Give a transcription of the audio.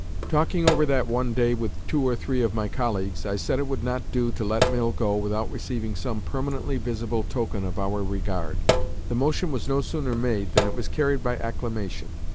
Talking over that one day with two or three of my colleagues, I said it would not do to let Mill go without receiving some permanently visible token of our regard. The motion was no sooner made than it was carried by acclamation.